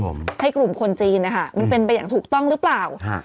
ให้กลุ่มคนจีนนะคะมันเป็นไปอย่างถูกต้องหรือเปล่า